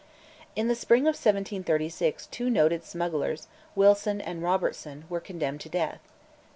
In the spring of 1736 two noted smugglers, Wilson and Robertson, were condemned to death.